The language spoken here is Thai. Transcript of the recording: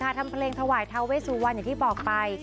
ล่าสุดทำเพลงถวายท้าวเวสุวันอย่างที่บอกไป